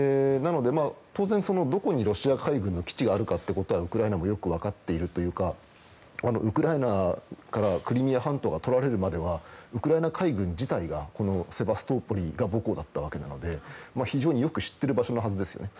当然どこにロシア海軍の基地があるかはウクライナもよく分かっているというかウクライナからクリミア半島がとられるまではウクライナ海軍自体がセバストポリが母港だったわけなので非常によく知っているはずですよね。